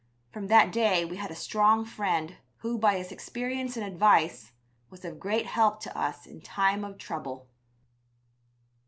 From that day we had a strong friend, who, by his experience and advice, was of great help to us in time of trouble.